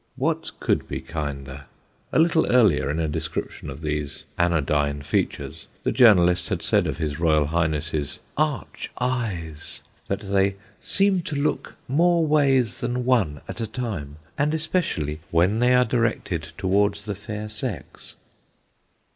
What could be kinder? A little earlier, in a description of these anodyne features, the journalist had said of his Royal Highness's "arch eyes," that they "seem to look more ways than one at a time, and especially when they are directed towards the fair sex."